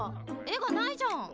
絵がないじゃん。